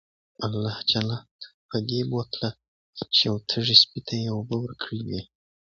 الله جنت ته پدې بوتله چې يو تږي سپي ته ئي اوبه ورکړي وي